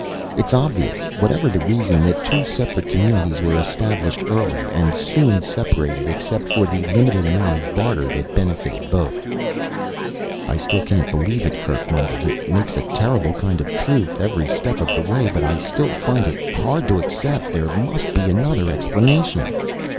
It's obvious, whatever the reason, that two separate communities were established early, and soon separated except for the limited amount of barter that benefited both." "I still can't believe it," Kerk mumbled. "It makes a terrible kind of truth, every step of the way, but I still find it hard to accept. There must be another explanation."